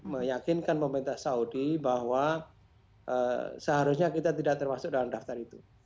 meyakinkan pemerintah saudi bahwa seharusnya kita tidak termasuk dalam daftar itu